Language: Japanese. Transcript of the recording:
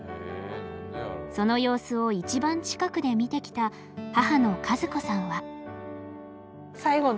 その様子を一番近くで見てきた母の和子さんは。